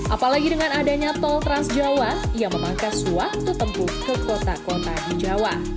apalagi dengan adanya tol transjawa yang memangkas waktu tempuh ke kota kota di jawa